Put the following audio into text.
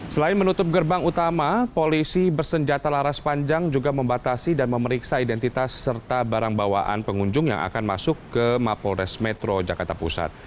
selain menutup gerbang utama polisi bersenjata laras panjang juga membatasi dan memeriksa identitas serta barang bawaan pengunjung yang akan masuk ke mapolres metro jakarta pusat